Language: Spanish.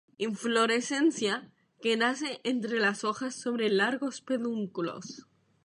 Inflorescencia que nace entre las hojas sobre largos pedúnculos.